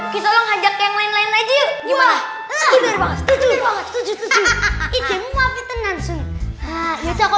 kita ajak yang lain lain aja gimana